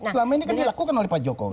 selama ini kan dilakukan oleh pak jokowi